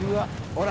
ほら。